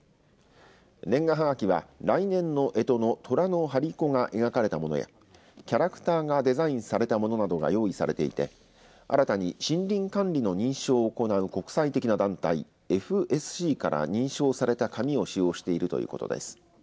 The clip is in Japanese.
年賀はがきは来年のえとのとらの張り子が描かれたものでキャラクターがデザインされたものなどが用意されていて新たに森林管理の認証を行う国際的な団体、ＦＳＣから認証された紙を使用しているということです。